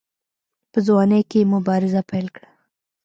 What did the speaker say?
په ځوانۍ کې یې مبارزه پیل کړه.